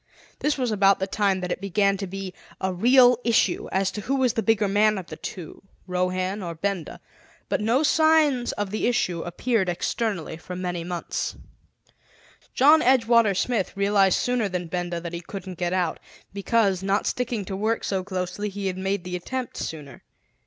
This was about the time that it began to be a real issue as to who was the bigger man of the two, Rohan or Benda. But no signs of the issue appeared externally for many months. John Edgewater Smith realized sooner than Benda that he couldn't get out, because, not sticking to work so closely, he had made the attempt sooner.